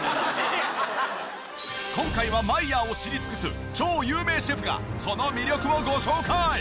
今回はマイヤーを知り尽くす超有名シェフがその魅力をご紹介！